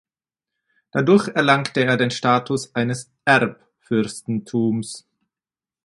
Dadurch erlangte es den Status eines "Erb"fürstentums.